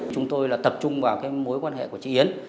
chúng tôi là tập trung vào cái mối quan hệ của chị yến